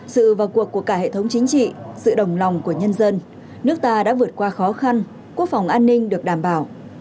sự vào cuộc của cả hệ thống chính trị sự đồng lòng của nhân dân nước ta đã vượt qua khó khăn quốc phòng an ninh được đảm bảo